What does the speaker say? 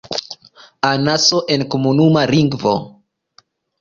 Anaso en komunuma lingvo.